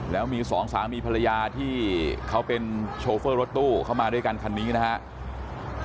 แล้วมีสองสามีภรรยาที่เขาเป็นโชเฟอร์รถตู้เข้ามาด้วยกันคันนี้นะครับ